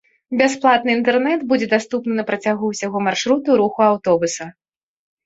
Бясплатны інтэрнэт будзе даступны на працягу ўсяго маршруту руху аўтобуса.